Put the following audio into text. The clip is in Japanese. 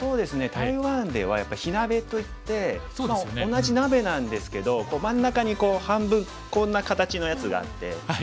台湾ではやっぱり火鍋といって同じ鍋なんですけど真ん中に半分こんな形のやつがあって。